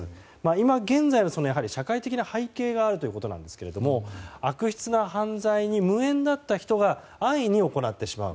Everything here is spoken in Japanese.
今現在の社会的な背景があるということですが悪質な犯罪に無縁だった人が安易に行ってしまう。